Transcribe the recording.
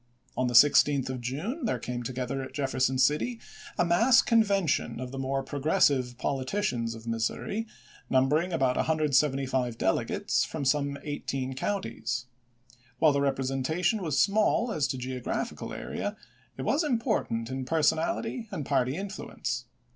On the 16th of June there came together at Jeffer son City a mass convention of the more progressive politicians of Missouri, numbering about 175 dele gates, from some eighteen counties. While the rep resentation was small as to geographical area, it was important in personal and party influence.